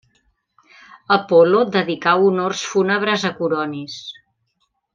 Apol·lo dedicà honors fúnebres a Coronis.